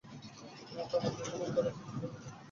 নর্দমার যেকোনো একটা রাস্তা খুঁজে বের করতে হবে।